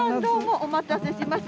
お待たせしました。